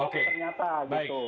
sebab ternyata gitu